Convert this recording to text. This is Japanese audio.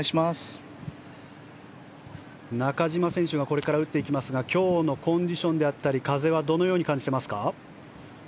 中島選手がこれから打っていきますが今日のコンディションや風はどのように感じますか？